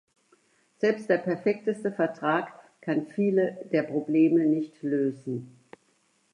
Selbst der perfekteste Vertrag kann viele der Probleme nicht lösen.